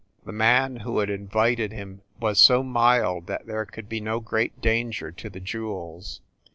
The man who had invited him was so mild that there could be no great danger to the jewels.